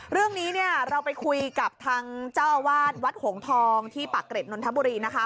เรื่องนี้เนี่ยเราไปคุยกับทางเจ้าอาวาสวัดหงทองที่ปากเกร็ดนนทบุรีนะคะ